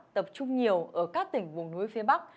tập trung nhiều ở các tỉnh vùng núi phía bắc